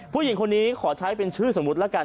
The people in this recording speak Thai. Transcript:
ผู้หญิงคนนี้ขอใช้เป็นชื่อสมมุติแล้วกัน